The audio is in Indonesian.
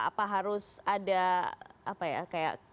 apa harus ada apa ya kayak